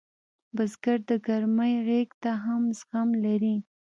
بزګر د ګرمۍ غېږ ته هم زغم لري